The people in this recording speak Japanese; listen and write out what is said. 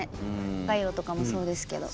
カイロとかもそうですけど。